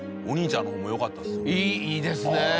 お兄ちゃんの方も良かったですよね。